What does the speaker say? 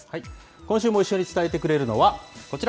今週も一緒に伝えてくれるのはこちら。